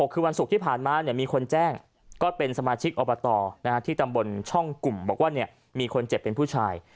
คือวันศุกร์ที่ผ่านมามีคนแจ้งก็เป็นสมาชิกอบตที่ตำบลช่องกลุ่มบอกว่ามีคนเจ็บเป็นผู้ชาย